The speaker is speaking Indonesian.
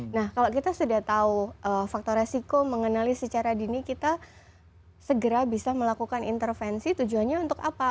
nah kalau kita sudah tahu faktor resiko mengenali secara dini kita segera bisa melakukan intervensi tujuannya untuk apa